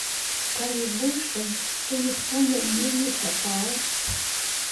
Калі выйшаў, то ніхто мяне не чапаў.